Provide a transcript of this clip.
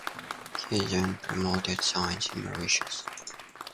He then promoted science in Mauritius.